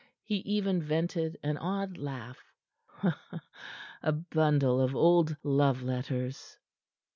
He even vented an odd laugh. "A bundle of old love letters."